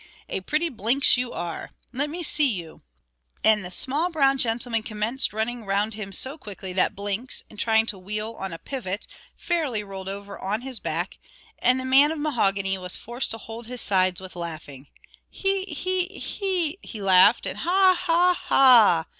a pretty Blinks you are. Let me see you." And the small brown gentleman commenced running round him so quickly, that Blinks, in trying to wheel on a pivot, fairly rolled over on his back; and the man of mahogany was forced to hold his sides with laughing. "He! he! he e!" he laughed, and "Ha! ha! haa a!"